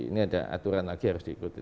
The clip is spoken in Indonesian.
ini ada aturan lagi harus diikuti